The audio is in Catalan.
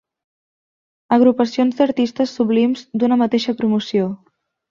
Agrupacions d'artistes sublims d'una mateixa promoció.